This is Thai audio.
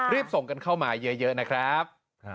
รีบส่งกันเข้ามาเยอะนะครับ